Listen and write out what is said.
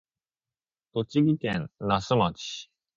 栃木県那須町